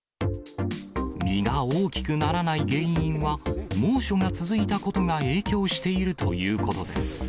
実が大きくならない原因は、猛暑が続いたことが影響しているということです。